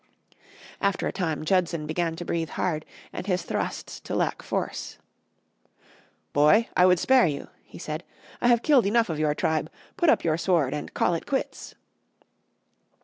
After a time Judson began to breathe hard and his thrusts to lack force. "Boy, I would spare you," he said; "I have killed enough of your tribe; put up your sword and call it quits."